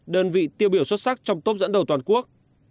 đơn vị tiêu biểu xuất sắc trong tốp dẫn đầu toàn quốc